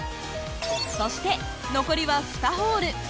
そして残りは２ホール。